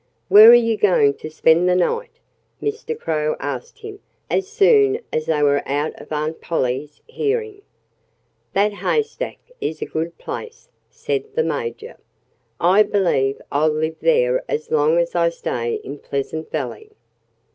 "Where are you going to spend the night?" Mr. Crow asked him as soon as they were out of Aunt Polly's hearing. "That haystack is a good place," said the Major. "I believe I'll live there as long as I stay in Pleasant Valley."